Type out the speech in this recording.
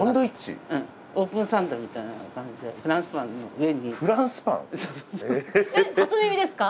うんオープンサンドみたいな感じでフランスパンの上にそうそうそうえっ